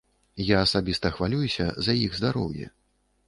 Я асабіста хвалююся за іх здароўе.